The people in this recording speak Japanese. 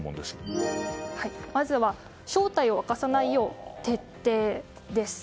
まずは正体を明かさないよう徹底です。